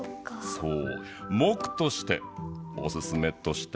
そう。